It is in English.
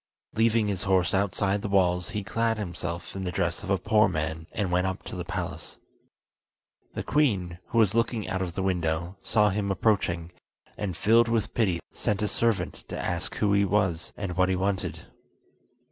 Leaving his horse outside the walls, he clad himself in the dress of a poor man, and went up to the palace. The queen, who was looking out of the window, saw him approaching, and filled with pity sent a servant to ask who he was and what he wanted.